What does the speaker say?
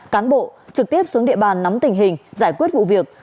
cán bộ trực tiếp xuống địa bàn nắm tình hình giải quyết vụ việc